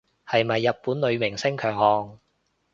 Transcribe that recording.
係咪日本女明星強項